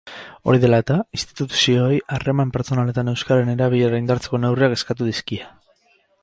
Hori dela eta, instituzioei harreman pertsonaletan euskararen erabilera indartzeko neurriak eskatu dizkie.